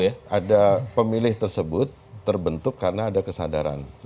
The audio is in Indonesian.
ada pemilih tersebut terbentuk karena ada kesadaran